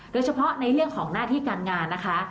โดยเฉพาะในเรื่องของหน้าที่การงานนะคะ